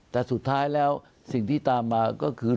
แต่สุดท้ายแล้วสิ่งที่ตามมาก็คือ